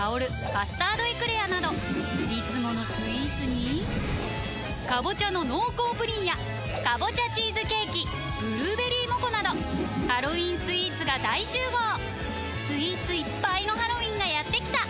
「カスタードエクレア」などいつものスイーツに「かぼちゃの濃厚プリン」や「かぼちゃチーズケーキ」「ぶるーべりーもこ」などハロウィンスイーツが大集合スイーツいっぱいのハロウィンがやってきた！